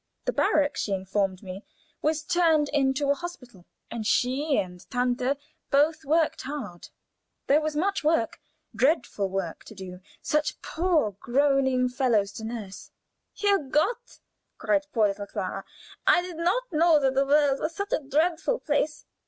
The barrack, she informed me, was turned into a hospital, and she and "Tante" both worked hard. There was much work dreadful work to do such poor groaning fellows to nurse! "Herrgott!" cried poor little Clara, "I did not know that the world was such a dreadful place!"